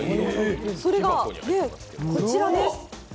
それがこちらです。